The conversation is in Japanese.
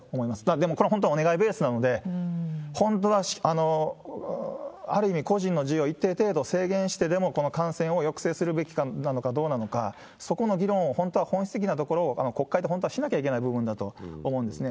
でも、これは本当、お願いベースなので、本当はある意味個人の自由を一定程度制限してでも、この感染を抑制するべきなのかどうなのか、そこの議論を本当は本質的なところを、国会で本当はしなきゃいけない部分だと思うんですね。